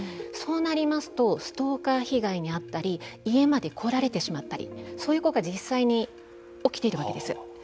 そうなりますとストーカー被害に遭ったり家まで来られてしまったりそういうことが実際に起きているわけです。